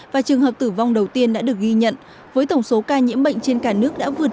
và trường hợp tử vong đầu tiên đã được ghi nhận với tổng số ca nhiễm bệnh trên cả nước đã vượt